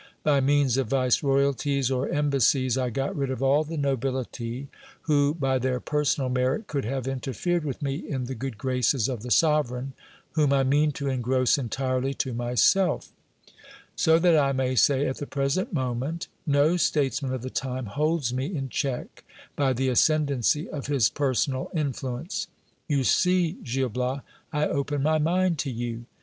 By means of viceroyalties or embassies I got rid of all the nobility who, by their personal merit, could have interfered with me in the good graces of the sovereign, whom I mean to engross entirely to myself; so that I may say at the present moment, no statesman of the time holds me in check by the ascendancy of his personal influence. You see, Gil Bias, I open my mind to you.